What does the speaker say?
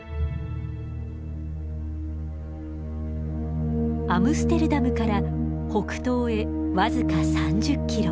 アムステルダムから北東へ僅か３０キロ。